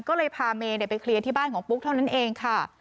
ก็เลยพาเมย์ไปเคลียร์ที่บ้านของปุ๊กเท่านั้นเองค่ะ